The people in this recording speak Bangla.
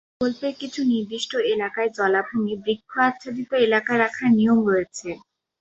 অর্থাৎ প্রকল্পের কিছু নির্দিষ্ট এলাকায় জলাভূমি, বৃক্ষ আচ্ছাদিত এলাকা রাখার নিয়ম রয়েছে।